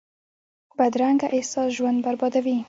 بدرنګه احساس ژوند بربادوي